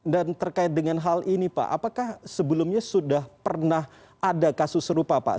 dan terkait dengan hal ini pak apakah sebelumnya sudah pernah ada kasus serupa pak